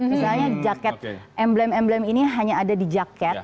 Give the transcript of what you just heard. misalnya jaket emblem emblem ini hanya ada di jaket